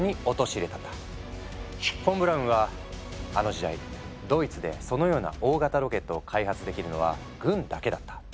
フォン・ブラウンは「あの時代ドイツでそのような大型ロケットを開発できるのは軍だけだった。